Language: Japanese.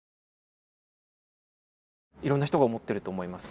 いろんな人が思ってると思います。